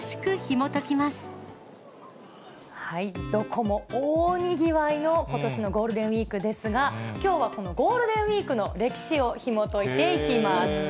どこも大にぎわいのことしのゴールデンウィークですが、きょうはこのゴールデンウィークの歴史をひもといていきます。